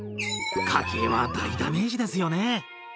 家計は大ダメージですよね。